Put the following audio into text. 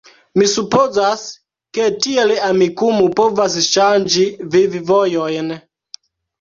Mi supozas, ke tiel Amikumu povas ŝanĝi viv-vojojn